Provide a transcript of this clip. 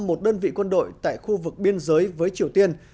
một đơn vị quân đội tại khu vực biên giới với triều tiên